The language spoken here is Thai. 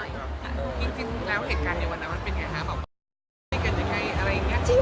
แล้วเหตุการณ์ไว้เมื่อวันหนามันเป็นไงว่าจะมีอะไรขับเรื่อย